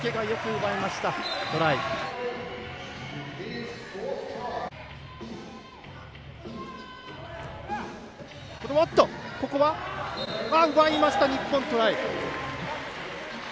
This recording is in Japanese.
奪いました、日本、トライ！